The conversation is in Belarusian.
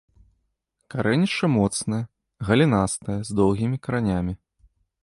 Карэнішча моцнае, галінастае, з доўгімі каранямі.